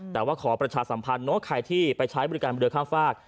แต่ว่าขอประชาสัมพันธ์ใครที่ไปใช้บริการเรือข้ามฝาก